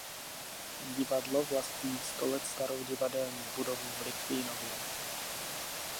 Divadlo vlastní sto let starou divadelní budovu v Litvínově.